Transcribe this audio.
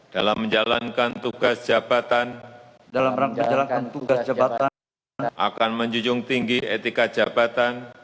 dalam menjalankan tugas jabatan